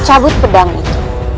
cabut pedang itu